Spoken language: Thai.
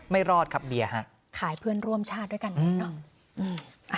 ไม่รอดครับเบียร์ฮะขายเพื่อนร่วมชาติด้วยกันอีกเนอะ